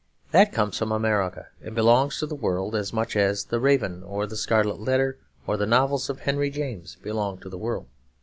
That comes from America and belongs to the world, as much as 'The Raven' or The Scarlet Letter or the novels of Henry James belong to the world.